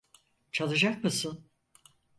Çalacak mısın?